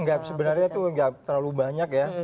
nggak sebenarnya tuh nggak terlalu banyak ya